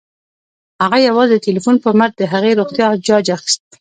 هغه یوازې د ټيليفون په مټ د هغې روغتيا جاج اخيسته